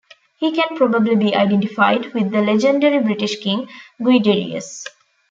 He can probably be identified with the legendary British king Guiderius.